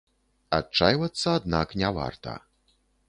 Адчайвацца, аднак, не варта.